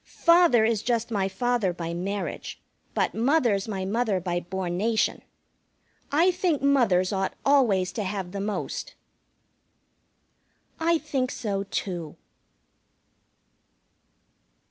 Father is just my father by marriage, but Mother's my mother by bornation. I think mothers ought always to have the most." I think so, too.